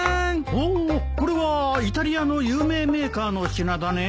おおこれはイタリアの有名メーカーの品だね。